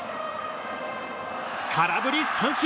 空振り三振！